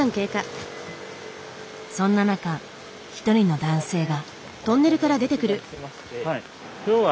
そんな中一人の男性が。